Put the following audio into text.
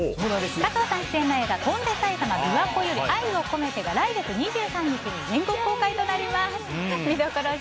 加藤さんが出演する「翔んで埼玉琵琶湖より愛をこめて」が来月２３日に全国公開となります。